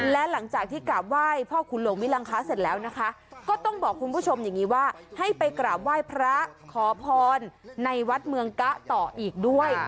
และหลังจากที่กราบไหว้พ่อขุนหลวงมิลังค้าเสร็จแล้วนะคะก็ต้องบอกคุณผู้ชมอย่างนี้ว่าให้ไปกราบไหว้พระขอพรในวัดเมืองกะต่ออีกด้วย